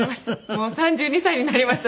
もう３２歳になりました